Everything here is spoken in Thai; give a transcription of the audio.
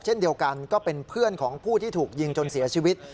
เช่นเดียวกันก็เป็นเพื่อนของผู้ที่ถูกยิงจนเสียชีวิต